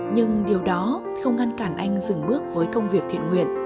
nhưng điều đó không ngăn cản anh dừng bước với công việc thiện nguyện